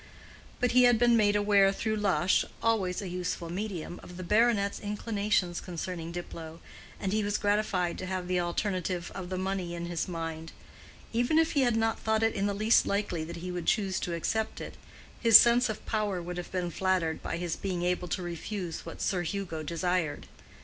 But he had been made aware through Lush, always a useful medium, of the baronet's inclinations concerning Diplow, and he was gratified to have the alternative of the money in his mind: even if he had not thought it in the least likely that he would choose to accept it, his sense of power would have been flattered by his being able to refuse what Sir Hugo desired.